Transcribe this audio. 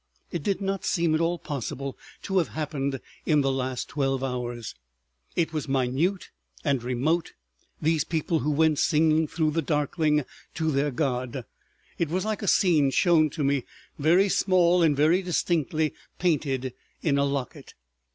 It did not seem at all possible to have happened in the last twelve hours. It was minute and remote, these people who went singing through the darkling to their God. It was like a scene shown to me, very small and very distinctly painted, in a locket.